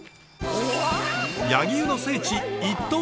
柳生の聖地一刀石。